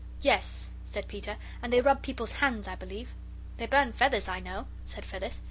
"Yes," said Peter, "and they rub people's hands, I believe." "They burn feathers, I know," said Phyllis.